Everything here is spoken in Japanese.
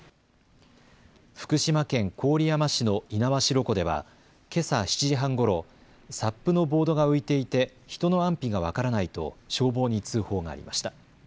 福島県郡山市の猪苗代湖ではけさ７時半ごろ、サップのボードが浮いていて人の安否が分からないと消防に通報がありました。